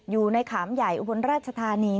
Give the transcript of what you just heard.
อยู่ในขามใหญ่อุบลราชธานี